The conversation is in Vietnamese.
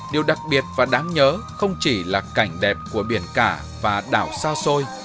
đặc biệt và đáng nhớ không chỉ là cảnh đẹp của biển cả và đảo sa xôi